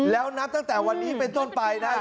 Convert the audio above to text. แล้วนับตั้งแต่วันนี้เป็นต้นไปนะ